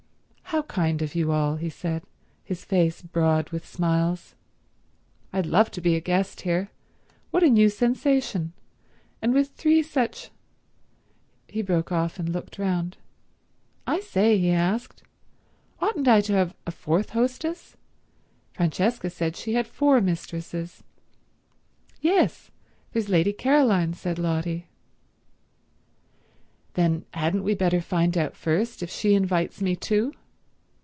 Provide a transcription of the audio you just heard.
"How kind of you all," he said, his face broad with smiles. "I'd love to be a guest here. What a new sensation. And with three such—" He broke off and looked round. "I say," he asked, "oughtn't I to have a fourth hostess? Francesca said she had four mistresses." "Yes. There's Lady Caroline," said Lotty. "Then hadn't we better find out first if she invites me too?"